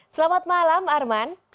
selamat malam arman